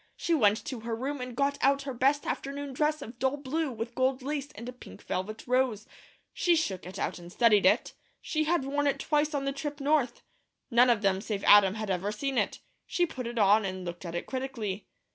She went to her room and got out her best afternoon dress of dull blue with gold lace and a pink velvet rose. She shook it out and studied it. She had worn it twice on the trip North. None of them save Adam ever had seen it. She put it on, and looked at it critically.